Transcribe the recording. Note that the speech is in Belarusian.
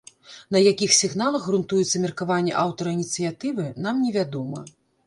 На якіх сігналах грунтуецца меркаванне аўтара ініцыятывы, нам невядома.